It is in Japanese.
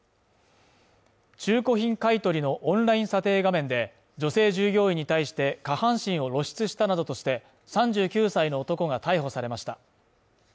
中古品買い取りのオンライン査定画面で、女性従業員に対して下半身を露出したなどとして、３９歳の男が逮捕されました。